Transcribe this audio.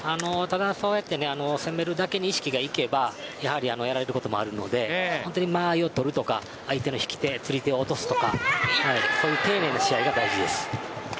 攻めるだけに意識がいけばやられることもあるので間合いを取るとか相手の引き手釣り手を落とすとかそういう丁寧な試合が大事です。